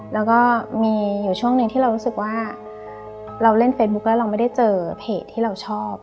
แล้วก็มีอยู่ช่วงหนึ่งที่เรารู้สึกว่าเราเล่นเฟซบุ๊คแล้วเราไม่ได้เจอเพจที่เราชอบ